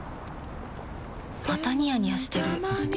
またニヤニヤしてるふふ。